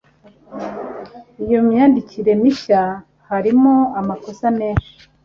iyo myandikire mishya harimo amakosa menshi.